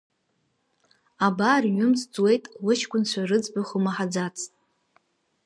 Абар ҩымз ҵуеит лыҷкәынцәа рыӡбахә лмаҳаӡацт…